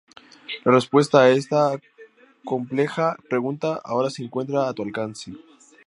La respuesta a esta compleja pregunta ahora se encuentra a tu alcance.